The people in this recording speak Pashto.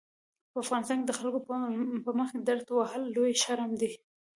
په افغانانو کې د خلکو په مخکې ډرت وهل لوی شرم دی.